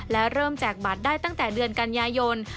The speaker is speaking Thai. และเริ่มแจกบัตรได้ตั้งแต่เดือนกันยายน